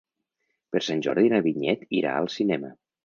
Per Sant Jordi na Vinyet irà al cinema.